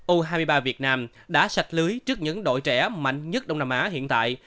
u hai mươi ba việt nam đã sạch lưới trước những đội trẻ mạnh nhất đông nam á hiện tại